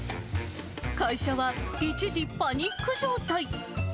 会社は一時パニック状態。